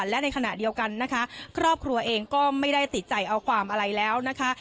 และในขณะเดียวกันนะคะครอบครัวเองก็ไม่ได้ติดใจเอาความอะไรแล้วนะคะ